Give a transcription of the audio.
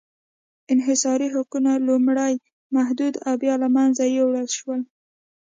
انحصاري حقونه لومړی محدود او بیا له منځه یووړل شول.